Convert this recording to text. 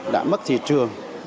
đã mất thị trường